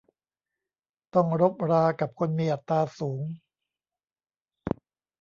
ต้องรบรากับคนมีอัตตาสูง